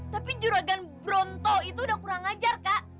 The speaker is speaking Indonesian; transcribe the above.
tapi juragan bronto itu udah kurang ajar kak